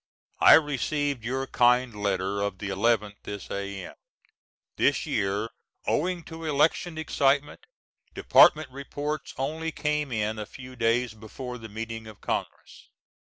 I received your kind letter of the 11th this A.M. This year, owing to election excitement, department reports only came in a few days before the meeting of Congress.